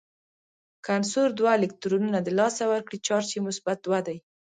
که عنصر دوه الکترونونه د لاسه ورکړي چارج یې مثبت دوه دی.